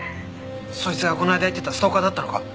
そいつがこの間言ってたストーカーだったのか？